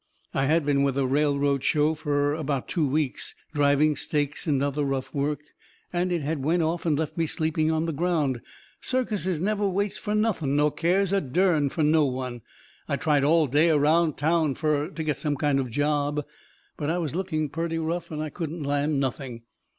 I had been with a railroad show fur about two weeks, driving stakes and other rough work, and it had went off and left me sleeping on the ground. Circuses never waits fur nothing nor cares a dern fur no one. I tried all day around town fur to get some kind of a job. But I was looking purty rough and I couldn't land nothing.